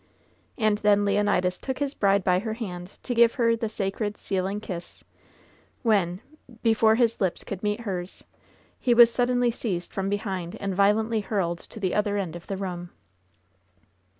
And then Leonidas took his bride by her hand, to give her the sacred, sealing kiss, when — ^before his lips could meet hers — ^he was suddenly seized from behind and violently hurled to the other end of the room.